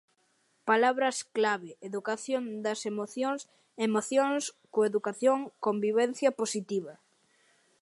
Palabras clave: educación das emocións, emocións, coeducación, convivencia positiva.